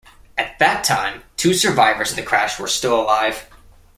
At that time two survivors of the crash were still alive.